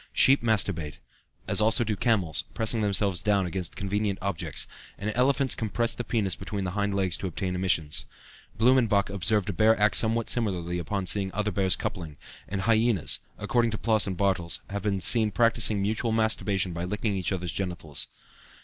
Sheep masturbate; as also do camels, pressing themselves down against convenient objects; and elephants compress the penis between the hind legs to obtain emissions. Blumenbach observed a bear act somewhat similarly on seeing other bears coupling, and hyenas, according to Ploss and Bartels, have been seen practicing mutual masturbation by licking each other's genitals.